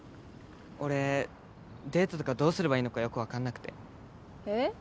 俺デートとかどうすればいいのかよく分かんなくてえっ？